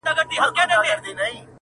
کله کله به یادیږي زما بوډۍ کیسې نیمګړي،